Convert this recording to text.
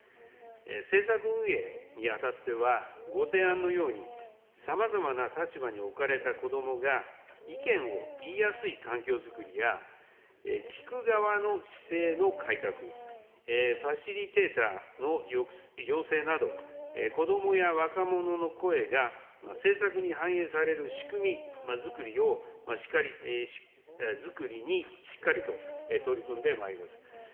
政策運営にあたっては、ご提案のように、さまざまな立場に置かれた子どもが、意見を言いやすい環境づくりや、聴く側の姿勢の改革、ファシリテーターの養成など、子どもや若者の声が政策に反映される仕組みづくりに、しっかりと取り組んでまいります。